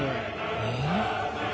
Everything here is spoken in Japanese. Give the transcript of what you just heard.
えっ？